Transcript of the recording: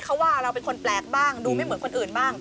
เขาว่าเราเป็นคนแปลกบ้างดูไม่เหมือนคนอื่นบ้าง